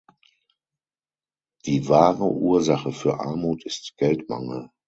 Die wahre Ursache für Armut ist Geldmangel.